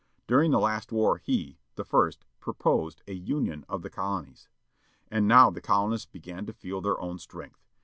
During the last war he, the first, proposed a Union of the colonies. And now the colonists began to feel their own strength.